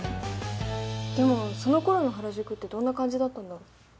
でもそのころの原宿ってどんな感じだったんだろ？